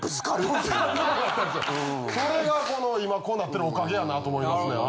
それが今こうなってるおかげやなと思いますね。